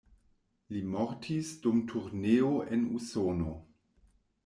Li mortis dum turneo en Usono.